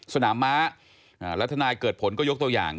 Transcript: สนามม้าแล้วทนายเกิดผลก็ยกตัวอย่าง